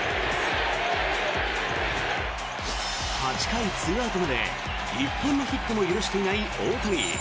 ８回２アウトまで１本のヒットも許していない大谷。